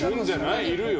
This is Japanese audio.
いるよ